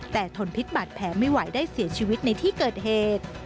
แต่ทนพิษบาดแผลไม่ไหวได้เสียชีวิตในที่เกิดเหตุ